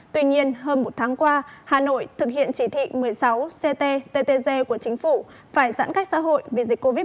tuy nhiên hơn một tháng qua hà nội thực hiện chỉ thị một mươi sáu cttg của chính phủ phải giãn cách xã hội vì dịch covid một mươi chín